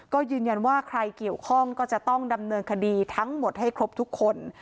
ก็ยืนยันว่าใครเกี่ยวข้องก็จะต้องดำเนินคดีทั้งหมดให้ครบทุกคน